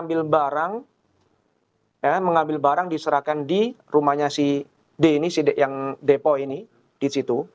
itu mengambil barang diserahkan di rumahnya si depoi ini